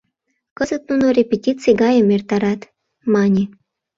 «Кызыт нуно репетиций гайым эртарат», — мане.